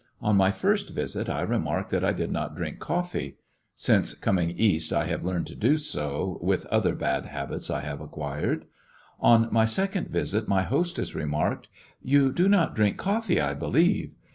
On my first visit I remarked that I did not drink coffee. (Since coming East I have learned to do so, with other bad habits I have acquired.) On my second visit my hostess remarked : "You do not drink coffee, I believe."